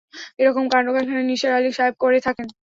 এরকম কাণ্ডকারখানা নিসার আলি সাহেব করে থাকেন।